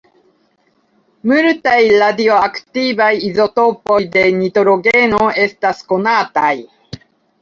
Multaj radioaktivaj izotopoj de nitrogeno estas konataj.